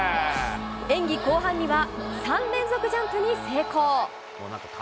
演技後半には３連続ジャンプに成功。